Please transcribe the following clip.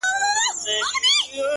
خير دی ـ زه داسي یم ـ چي داسي نه وم ـ